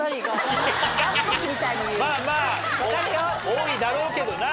多いだろうけどな。